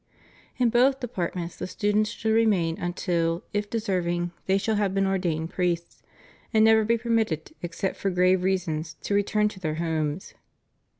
In both departments the students should remain until, if deserving, they shall have been ordained priests, and never be permitted, except for grave reasons, to return to their homes.